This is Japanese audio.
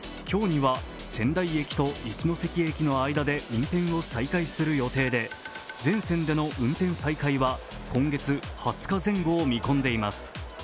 今日には仙台駅と一ノ関駅の間で運転を再開する予定で全線での運転再開は今月２０日前後を見込んでいます。